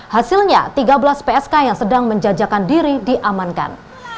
hasilnya tiga belas psk yang sedang menjajakan diri diamankan